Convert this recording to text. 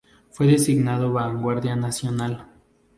Fue designado Vanguardia Nacional.